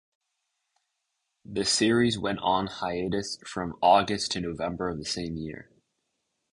The series went on hiatus from August to November of the same year.